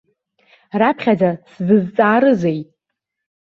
Раԥхьаӡа сзызҵаарызеи?